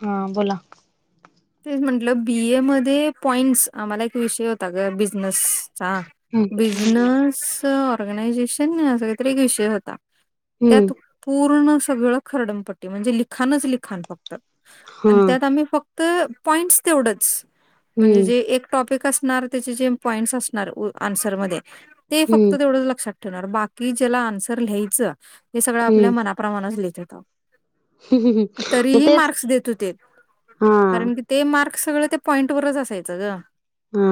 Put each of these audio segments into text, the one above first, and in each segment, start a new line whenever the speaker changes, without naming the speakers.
हा बोला.
तेच म्हंटलं बी ए मध्ये पॉईंट्स आम्हाला एक विषय होता ग बिझनेस चा
हम्म
बिझनस ऑर्गनायझेशन अस काहीतरी विषय होता.
हम्म
त्यात पूर्ण सगळ खरडमपट्टी म्हणजे लिखाणच लिखान फक्त
हा
आणि त्यात आम्ही फक्त तर पॉईंट तेवढंच म्हणजे
हम्म
जे टॉपिक असणार त्याचे जे पॉईंट्स असणार आन्सरमध्ये ते फक्त
हम्म
तेवढंच लक्षात ठेवणार बाकी ज्याला आन्सर लिहायचं हे सगळं आपल्या
हम्म
मनाप्रमाणच लिहित होतो.
मग
तरीही
तेच
मार्क्स देत होते.
हा
कारण की ते मार्क सगळं त्या पॉईंटवरच असायचं गं.
हा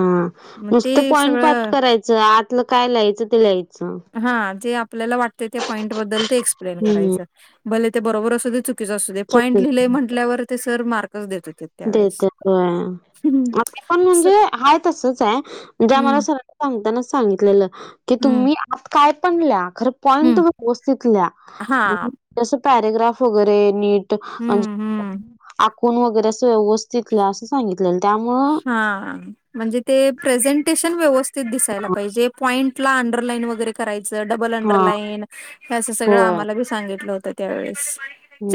नुसत पॉइंट पाठ करायचं आतलं काय लिहायचं ते लिहायचं.
हा जे आपल्याला वाटते त्या पॉईंटबद्दल ते एक्सप्लेन
हम्म
करायचं भले ते बरोबर असुदे. चुकीचं असुदे पॉईंट
चुक
लिहिले म्हटल्यावर ते सर मार्कच देत. होते त्यावेळेस.
देतात होय,
हम्म
आता पण म्हणजे आहे तसच आहे जे आम्हाला
हम्म
सर सांगताना सांगितलेलं की
हम्म
तुम्ही आत काय पण ल्या. पॉईंट
हम्म
व्यवस्थित ल्या,
हा
जस पॅरेग्राफ वगैरे नीट.
हम्म हम्म
म्हणजे आखून वगैरे असं व्यवस्थित लिहा असं सांगितलेलं त्यामुळ
हा. म्हणजे ते प्रेझेंटेशन व्यवस्थित दिसायला पाहिजे, पॉईंटला अंडरलाईन वगैरे. करायचं डबल
हा
अंडरलाईन हे असं सगळं
होय
आम्हाला बी सांगितलं होतं त्यावेेळेस.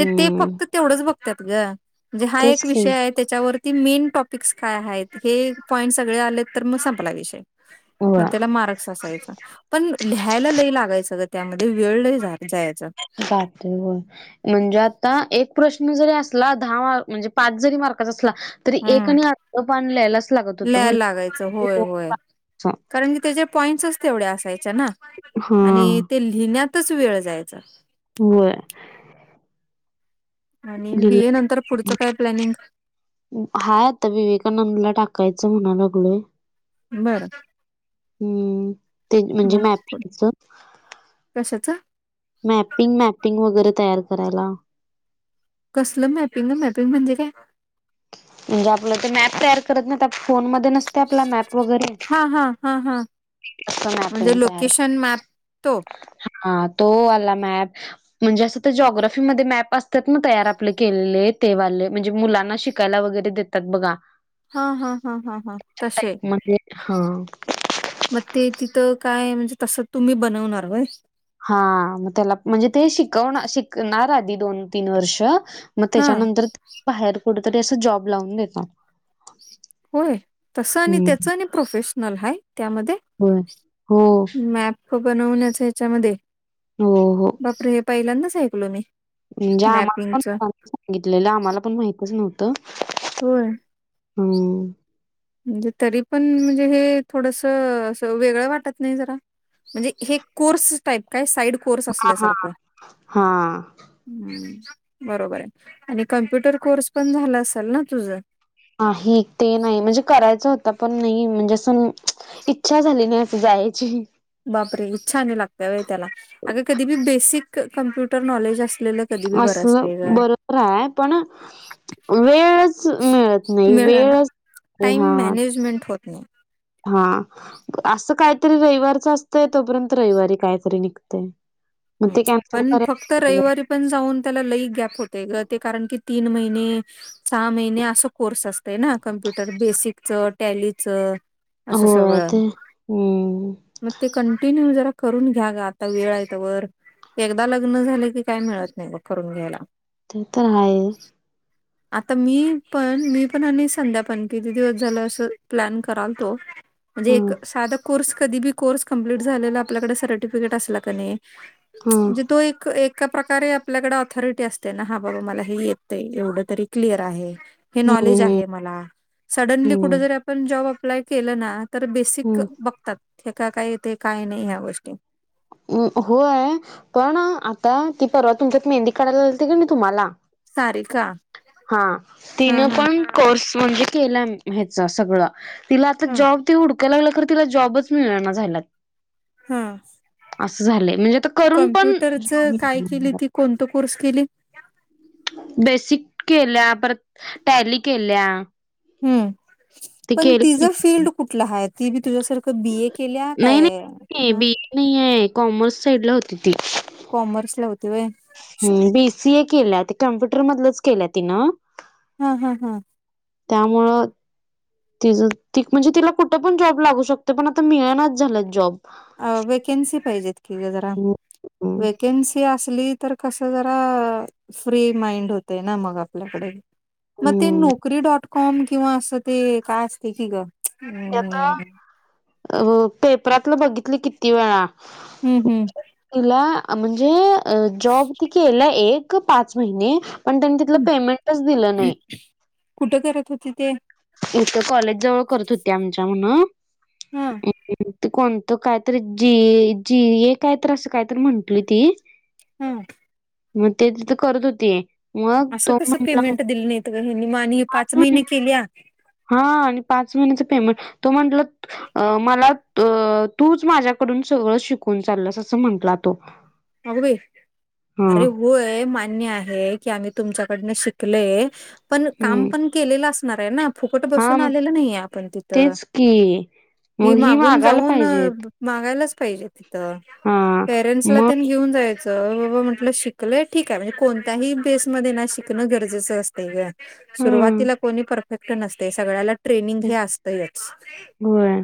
ते फक्त तेवढंच बघतात ग म्हणजे हा
तेच
एक
की
विषय आहे त्याच्यावरती मेन पिक्स काय आहेत हे पॉइंट सगळे आलेत तर मग संपला विषय.
होय
मग त्याला मार्क्स असायचा. पण लिहायला लई लागायचं तर त्यामध्ये वेळ लई जायचं.
जातयं होयं. म्हणजे आता एक प्रश्न जरी असला दहा मार् म्हणजे पाच जरी मार्काचा असला. तरी एक
हम्म
आणि अर्ध पान ल्यायलाच लागत होतं.
लिहायला लागायचं होय होय कारण की त्याच्या पॉईंट्सच तेवढ्या असायच्या ना
हा
आणि ते लिहिण्यातच वेळ जायचां.
व्हयं.
आणि
लिहिलं
बीए नंतर पुढचं काय प्लॅनिंग?
हाय आता विवेकानंदला टाकायचं म्हणा लागलोय.
बरं.
हम्म ते म्हणजे
मग
मॅपिंगच.
कशाच
मॅपिंग मॅपिंग वगैरे तयार करायला.
कसलं मॅपिंग ना मॅपिंग म्हणजे काय?
म्हणजे आपलं ते मॅप तयार करत नाहीत फोन मध्ये नसते आपला मॅप वगैरे.
हा हा हा हा.
तसं मॅपिंग
म्हणजे
तयार,
लोकेशन मॅप तो
हा तो वाला मॅप. म्हणजे असं ते जॉग्राफी मध्ये मॅप असतात ना तयार आपले केलेले ते वाले म्हणजे मुलांना शि -कायला वगैरे देतात बघा.
हा हा हा हा हा तसे.
म्हणजे हा
मग ते तिथं काय म्हणजे तसं तुम्ही बनवणार व्हयं.
हा मग त्याला म्हणजे ते शिकव शिकणार आधी दोन तीन वर्ष. मग
हा
त्याच्यानंतर बाहेर कुठ तरी अस जॉब लावून देतात.
होय तसं आणि
हम्म,
त्याच आणि प्रोफेशनल हाय त्यामध्ये
होय हो
मॅप बनवण्याच याच्यामध्ये.
हो.
बापरे!.. हे पहिल्यांदा ऐकलो मी.
म्हणजे, आम्हाला
मॅपिंगच
पणनी सांगितलेलं, आम्हाला पण माहितच नव्हतं.
हो.
हम
म्हणजे? तरी पण म्हणजे हे थोडस अस वेगळं वाटत नाही जरा म्हणजे हे कोर्स टाईप काय साईड कोर्स
हा हा
असल्यासारखं
हा
हम् बरोबर आहे आणि कम्प्युटर कोर्स पण झाला असेल ना तुझं
नाही ते नाही, म्हणजे करायचं होत. पण नाही म्हणजे अस इच्छा झाली नाही. असं जायची.
बापरे!... इच्छा लागत व त्याला अग कधी बी बेसिक कम्प्युटर नॉलेज असलेलं कधी बी बरं
असल
असते ग
बर आहे. पण वेळच मिळत नाही. वेळच
टाईम
हा
मॅनेजमेंट होत नाही.
हा असं काहीतरी रविवारच असतंय, तोपर्यंत रविवारी कायतरी निघतय. मग ते
हम्म
कॅन्सल
पण फक्त
करायच
रविवारी पण जाऊन त्याला लई गॅप होते, ते कारण की तीन महिने सहा महिने असं, कोर्स असतय ना! कम्प्युटर बेसिकच टॅलीचं असं
हो
सगळं
ते, हम्म
मग ते कंटिन्यू जरा करून घ्या ग, आता वेळ आहे तवर एकदा लग्न झाले की, काय मिळत नाही? मग करून घ्यायला.
ते तर आहे
आता, मी पण मी पण, आणि संध्या पण, किती दिवस झालं. असं प्लॅन कराल तो म्हणजे,
हम्म
एक साधा कोर्स कधी बी, कोर्स कंपलीट झालेला, आपल्याकडे सर्टिफिकेट असला कनी
हम्म
म्हणजे, तो एक एका प्रकारे आपल्याकडे ऑथॉरिटी असते, ना हा बाबा मला हे येतय. एवढंच तरी क्लिअर आहे, हे नॉलेज
हम्म
आहे. मला सडनली कुठ, जरी आपण जॉब अप्लाय केलं ना, तर बेसिक
हम्म
बघतात. ठेका, काही ते काही नाही. ह्या गोष्टी
होय पण, आता ती परवा तुमच्यात मेहंदी काढायला आलती की नाही. तुम्हाला
सारिका
हा,
हा
तिनं
हा
पण कोर्स म्हणजे केला. ह्याचा सगळ तिला आता
हा
जॉब ती हुडकु लागलं [inaudible] खर तिला जॉबच मिळेना झालेत.
हा
असं झालंय, म्हणजे आता करून पण
कम्प्युटरच काय केली, ती कोणत कोर्स केली?
बेसिक केल्या, परत टॅली केल्या,
हम
ते
पण
केली
तिचं, फील्ड कुठलं आहे? ती बी, तुझ्यासारखं बी ए, केल्या काय
नाही
ह
नाही आहे, कॉमर्स साईड ला होती ती
कॉमर्सला होती व्हय.
हम, बीसीए केला. कम्प्युटर मधलंच केलं, तिनं
हा हा हा
त्यामुळं तिझ त म्हणजे, तिला कुठे पण जॉब लागू शकते, पण आता मिळनाच झालं, जॉब
अ.. वेकन्सी पाहिजेत, की जरा,
हम्म
वेकन्सी असली तर... कसं जरा फ्री माइंड होते. ना, मग आपल्याकडे मग.. ते,
हम्म
नोकरी डॉट कॉम.. किंवा, असं ते काय असते की ग हम
हो, पेपरातलं बघितलं किती वेळा
हम्म हम्म.
तिला म्हणजे जॉब ती केला एक पाच महिने पण त्यांनी तिथलं
हम्म
पेमेंटच दिलं नाही
कुठं करत होती ते?
इथं कॉलेजजवळ करत होती आमच्या म्हण
हा
ते कोणतं काय तरी जी ए जी ए काय तर असं काय तर म्हंटली ती
हम.
म तेच तिथं करत होती. मग
असं
तो
कसं
म्हंटला
पेमेंट दिलं नाहीत गं हेनी मग आणि ही पाच महिने केलीया?
हा आणि पाच महिन्याच पेमेंट तो म्हटलं अ मला अ तूच माझ्याकडून सगळं शिकून चालल्यास असं म्हंटला तो.
अगं बाई!
हा
अरे होय मान्य आहे की आम्ही तुमच्याकडन शिकलयं पण काम
हम्म
पण केलेलं असणार आहे ना फुकट
हा
बसून
मग
आलेलं नाहीये आपण तिथं.
तेच की
हि
मग ही
मागून
मागायला
जाऊन
पाहिजेत
मागायलाच पाहिजे तिथं,
हा
पेरेंट्सला
मग
त्यांनी घेऊन जायचं बाबा म्हटलं शिकलयं ठीक हाय, म्हणजे कोणत्याही बेसमध्ये ना शिकणं गरजेचं असतंय गं
ह
सुरुवातीला कोणी परफेक्ट नसतयं सगळ्याला ट्रेनिंग हे असतंयच.
होय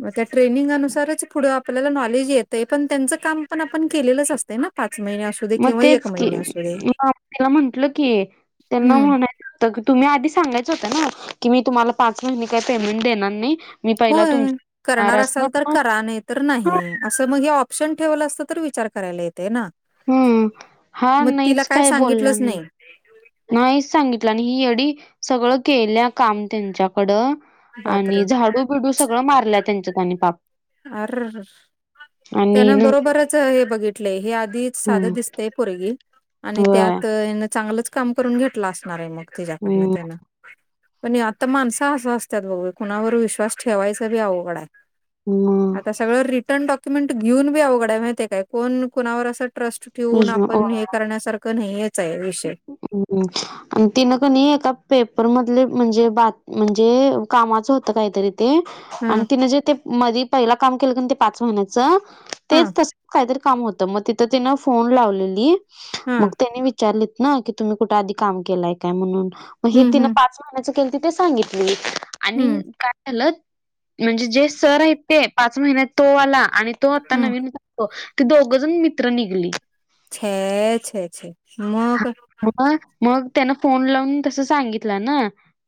मग त्या ट्रेनिंगानुसारच पुढं आपल्याला नॉलेज येतंय पण त्यांचं काम पण आपण केलेलंच असतयं ना? पाच महिन्यांत
मग तेच की तीला म्हंटलं की त्यांना
हम्म
म्हणाय च तुम्ही आधी सांगायचं होतं ना की मी तुम्हाला पाच महिने काय पेमेंट देणार नाही मी पहिला
होय
तुमचा
करणार असाल तर करा नाही तर नाही असं मग हे ऑप्शन ठेवलं असत तर विचार करायला येतयं ना.
हम हा
मग तिला
नाहीच
काय
काही बोलला
सांगितलंच
नाही. नाहीच सांगितला, आणि ही येडी सगळं केल्या काम त्यांच्याकडं
बापरे!
आणि झाडू बिडू सगळं मारलंय त्यांच्यात आणि पाप.
आररर!
आणि
त्यानं बरोबरच हे बघितलंय हे आधी
नंतर
साधं दिसतयं पोरगी आणि
होय.
त्यात हेनं चांगलंच काम करून घेतलं असणार आहे मग तिच्याकडंन
हम्म.
तेनं. पण ये आता माणसं असं असत्यात बघ बाई कुणावर विश्वास ठेवायचा बी अवघड हाय.
हम
आता सगळं रिटर्न डॉक्युमेंट घेऊन बी अवघड हाय माहिती हाय काय कोण कोणावर असं ट्रस्ट ठेवून
विष्णू ओ
आपण हे करण्यासारखं नाहीेयच हाय विषय.
हुं आणि तिनं कनी एका पेपर मधले म्हणजे बात म्हणजे कामाचं होतं काहीतरी ते
हा
आणि तिने जे ते मधी पहिला काम केलं ते पाच महिन्याच
हा
तेच तसं काहीतरी काम होत म तिथं तिनं फोन लावलेली
हा
मग त्यानी वि वीचारलीत ना की तुम्ही कुठं आधी काम केलाय काय म्हणून मग हे
हम्म
तिनं
हम्म
पाच सांगायचं केलती ते सांगितली, आणि
हम्म
काय झालं म्हणजे जे सर आहेत ते पाच महिन्यात तो आला आणि तो आता
हम्म
नवीन हो ती दोघं जण मित्र निघली.
छे छे छे मग?
मग मग त्यान फोन लावून तसं सांगितलं ना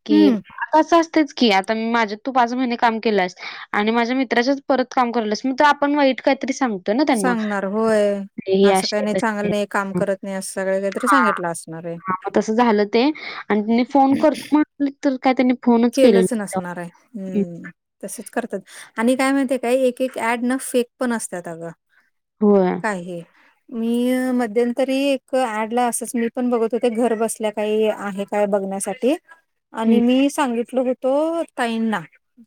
की
हम्म
आता असं असतंयच की आता मी माझ्या तू पाच महिने काम केल्यास आणि माझ्या मित्राच्यात परत काम कराल्यास मग आपण वाईट कायतरी सांगतो. ना त्यांना.
सांगणार होय
ही
असं काही
अशी आहे,
नाही
तशी
चांगलं
आहे.
नाही, काम करत नाही, असं सगळे काय तर
हां,
सांगितला असणार आहे.
हां. मग तसं झालं मित्र तर काय त्यांनी फोन
केलंच नसणार आहे, हू तसचं करत्यात आणि काय माहिती काय एक एक ऍड ना फेक पण असतात अगं
होय.
काही मी मध्यंतरी एक ॲड ला असच मी पण बघत होते घर बसल्या काही आहेत काय बघण्यासाठी
हं,
आणि मी सांगितल होतो ताईंना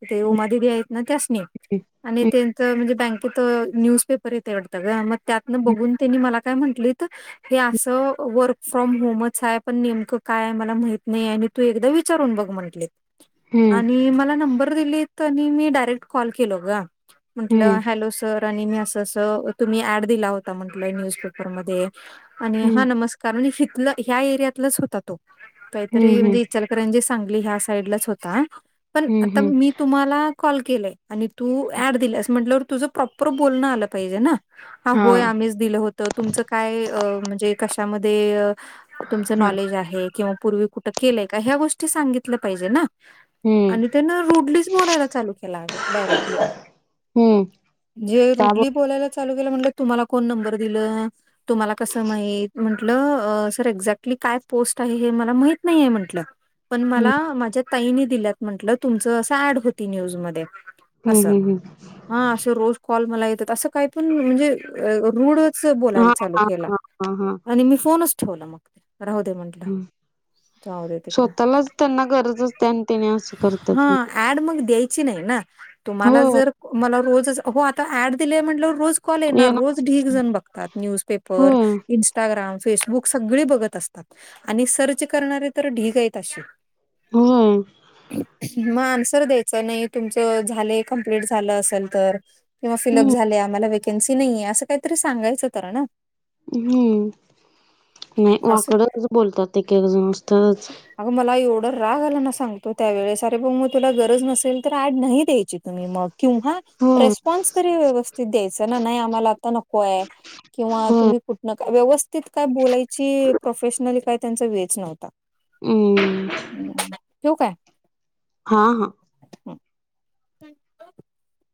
ते उमा दिदी आहेत ना त्यास्नि
हं,
आणि त्यांच म्हणजे बँक तिथं न्यूजपेपर येतंय वाटतं गं मग त्यातनं बघून त्यांनी मला काय म्हंटलीत की हे असं वर फ्रॉम होमच आहे पण नेमकं काय आहे मला माहित नाही आहे आणि तू एकदा विचारून बघ म्हटले
हं.
आणि मला नंबर दिले त्यांनि आणि मी डायरेक्ट कॉल केलो ग,
हं,
म्हटलं
हं.
हॅलो सर आनि अस अस तुम्ही ऍड दिला होता म्हंटल न्यूजपेपर मध्ये
हं,
आणि हा
हं.
नमस्कार कारण इथल ह्या एरियातलाच होता तो काहीतरी
हं, हं,
म्हणजे
हं.
इचलकरंजी सांगली ह्या साईडलाच होता पण
हं,
आता
हं.
मी तुम्हाला कॉल केलय आणि तू ऍड दिल्यास म्हटल्यावर तुझं प्रॉपर बोलणं आलं पाहिजे ना हा होय
हां,
आम्हीच दिलं होत तुमचं काय म्हणजे कशामध्ये तुमचं
हां.
नॉलेज आहे किंवा पूर्वी कुठं केलंय का ह्या गोष्टी सांगितल्या पाहिजे ना
हं,
आणि त्यानं रूडलीच बोलायला चालू केला अग डायरेक्टली
हम्म.
जे रुडली बोलायला चालू केलं म्हटलं तुम्हाला कोनी नंबर दिल? तुम्हाला कस माहित? म्हटलं सर एक्झॅक्टली काय पोस्ट आहे हे मला माहित नाहीये म्हटलं पण
हं,
मला माझ्या ताईनी दिल्यात म्हंटल तुमच अस ऍड होती न्यूज मध्ये
हं,
अस
हं, हं.
हा असे रोज कॉल मला येतात असं काही पण म्हणजे रूड बोलायला
हां,
चालू
हां,
केला
हां, हां, हां.
आणि मी फोनच ठेवला मग राहु दे म्हटलं
ह, स्वतःलाच त्यांना गरजच
हा ऍड मग द्यायची नाही ना तुम्हाला
हो
जर मला रोज हो आता ऍड दिले म्हटल्यावर रोज कॉल येणार रोज ढीग जण बघतात न्यूजपेपर
होय
इस् इस्टाग्राम, फेसबुक सगळे बघत असतात आणि सर्च करणारे तर ढीग आहेत असे
हम्.
मग आन्सर द्यायच नाही तुमचं झालंय कमप्लीट झालं असेल तर किंवा फिलअप
हम्म
झालय आम्हाला व्हेकन्सी नाहीये असं काहीतरी सांगायचं तर ना
हम्म नाही
असं
वाकडच बोलतात एक एक जण नुसतंच
अगं मला एवढा राग आला ना सांगतो त्यावेेळेस अरे मग तुला गरज नसेल तर ऍड नाही द्यायची तुम्ही मग किंव्हा
होय
रीस्पॉन्स तरी व्यवस्थित द्यायचं ना नाही आम्हाला आता नको आहे किंवा
होय
तुम्ही कुठनं का व्यवस्थित काय बोलायची प्रोफेशनली काय त्यांचा वेच नव्हता
हम.
हम! ठेऊ काय?
हा हा.
[inaudible]